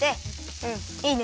うんいいね！